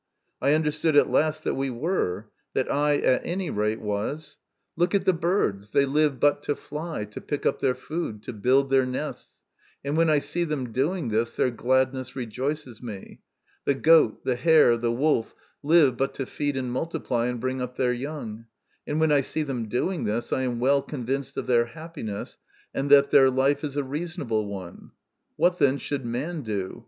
I understood at last that we were ; that I, at any rate, was. Look MY CONFESSION. 105 at the birds ; they live but to fly, to pick up their food, to build their nests, and when I see them doing this their gladness rejoices me. The goat, the hare, the wolf live but to feed and multiply, and bring up their young; and when I see them doing this, I am well con vinced of their happiness, and that their life is a reasonable one. What, then, should man do